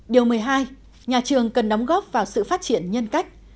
điều một mươi hai nhà trường cần đóng góp vào sự phát triển nhân cách